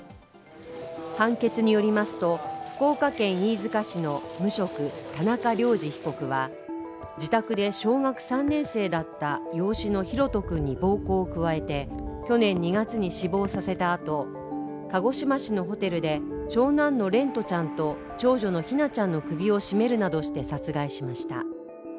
判決によりますと福岡県飯塚市の無職、田中涼二被告は自宅で小学３年生だった養子の大翔君に暴行を加えて、去年２月に死亡させたあと、鹿児島市のホテルで長男の蓮翔ちゃんと長女の姫奈ちゃんの首を絞めるなどして殺害しました。